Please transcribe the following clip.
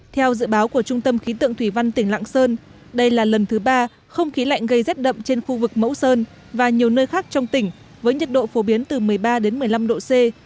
theo dự báo của trung tâm khí tượng thủy văn tỉnh lạng sơn đây là lần thứ ba không khí lạnh gây rét đậm trên khu vực mẫu sơn và nhiều nơi khác trong tỉnh với nhiệt độ phổ biến từ một mươi ba đến một mươi năm độ c